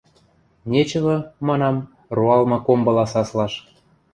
Нечывы, манам, роалмы комбыла саслаш.